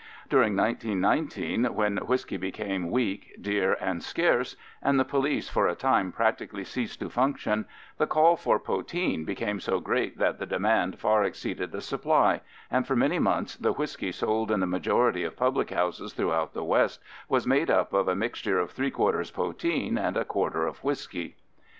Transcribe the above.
During 1919, when whisky became weak, dear, and scarce, and the police for a time practically ceased to function, the call for poteen became so great that the demand far exceeded the supply, and for many months the whisky sold in the majority of publichouses throughout the west was made up of a mixture of three quarters poteen and a quarter whisky.